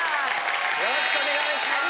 よろしくお願いします。